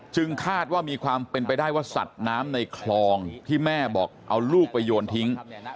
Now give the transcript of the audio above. คาดว่ามีความเป็นไปได้ว่าสัตว์น้ำในคลองที่แม่บอกเอาลูกไปโยนทิ้ง